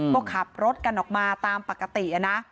ก็ขับรถกันออกมาตามปกตินะ